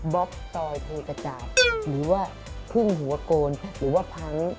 บ๊อบซอยเทกจาบหรือว่าพึ่งหัวกลหรือว่าพัง